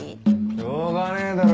しょうがねえだろ